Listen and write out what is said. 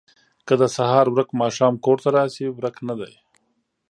که د سهار ورک ماښام کور ته راشي، ورک نه دی.